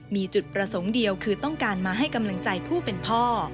มีจุดประสงค์เดียวคือต้องการมาให้กำลังใจผู้เป็นพ่อ